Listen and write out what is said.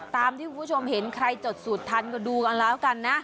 ตามที่คุณผู้ชมเห็นใครจดสูตรทันก็ดูกันแล้วกันนะ